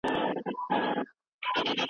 نړۍ په چټکۍ سره بدلون مومي.